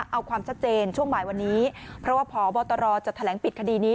เอาความชัดเจนช่วงบ่ายวันนี้เพราะว่าพบตรจะแถลงปิดคดีนี้